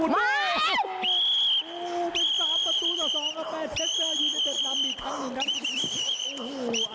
มา